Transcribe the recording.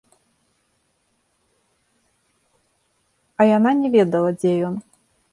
А яна не ведала, дзе ён.